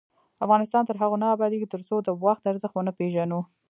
افغانستان تر هغو نه ابادیږي، ترڅو د وخت ارزښت ونه پیژنو.